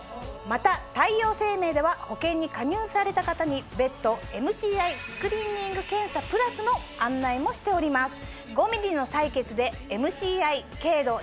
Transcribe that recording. また太陽生命では保険に加入された方に別途ＭＣＩスクリーニング検査プラスの案内もしております。